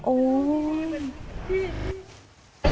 โอ้ย